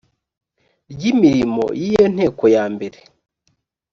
ry imirimo y iyo nteko yambere